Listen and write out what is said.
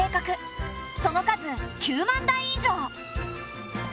その数９万台以上。